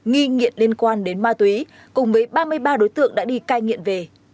nghi nghiện liên quan đến ma túy cùng với ba mươi ba đối tượng đã đi cai nghiện về